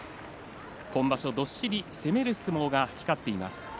今場所どっしり攻める相撲が光っています。